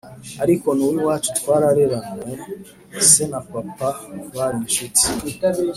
ariko nuwiwacu twarareranwe se na papa barinshuti